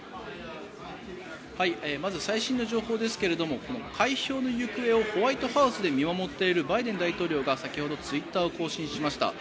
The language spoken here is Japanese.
まず最新の情報ですが開票の行方をホワイトハウスで見守っているバイデン大統領が先ほどツイッターを更新しました。